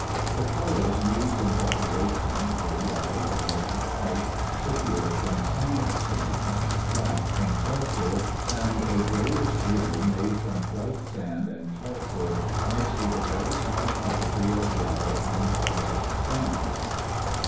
The colors used in decoration were yellow, red, and white, secured from sand stones, black from charcoal, and a grayish blue made from white sand and charcoal mixed with a very small quantity of yellow and red sands.